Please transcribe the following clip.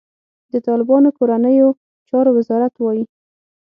د طالبانو کورنیو چارو وزارت وايي،